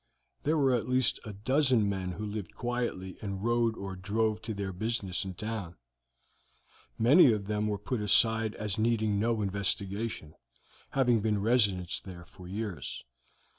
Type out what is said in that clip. There were at least a dozen men who lived quietly and rode or drove to their business in town. Many of them were put aside as needing no investigation, having been residents there for years.